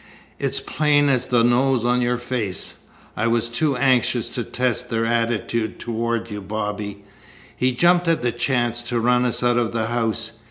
"It's plain as the nose on your face. I was too anxious to test their attitude toward you, Bobby. He jumped at the chance to run us out of the house.